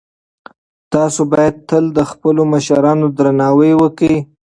تاسو باید تل د خپلو مشرانو درناوی وکړئ.